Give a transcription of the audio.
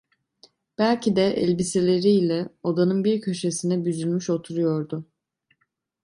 Belki de elbiseleri ile odanın bir köşesine büzülmüş oturuyordu.